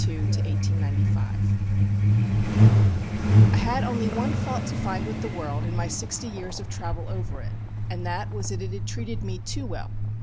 THE SIXTEENTH MILESTONE 1892 1895 I had only one fault to find with the world in my sixty years of travel over it and that was it had treated me too well.